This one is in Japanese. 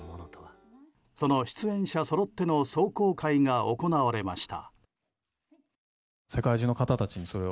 その出演者そろっての壮行会が行われました。